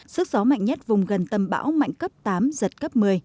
sức gió mạnh nhất vùng gần tâm bão mạnh cấp tám giật cấp một mươi